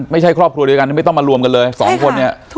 ไม่ใช่ครอบครัวเดียวกันไม่ต้องมารวมกันเลย